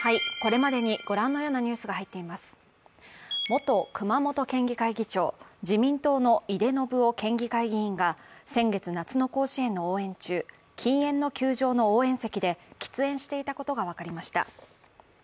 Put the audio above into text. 元熊本県議会議長、自民党の井手順雄県議会議員が先月、夏の甲子園の応援中禁煙の球場の応援席で喫煙していたことが分かりました。